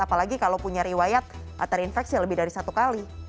apalagi kalau punya riwayat terinfeksi lebih dari satu kali